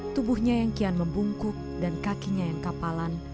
tubuhnya yang kian membungkuk dan kakinya yang kapalan